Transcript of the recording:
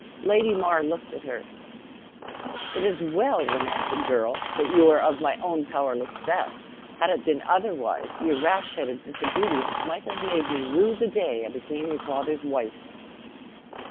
Lady Mar looked at her. "It is well, romantic girl, that you are of my own powerless sex; had it been otherwise, your rash headed disobedience might have made me rue the day I became your father's wife."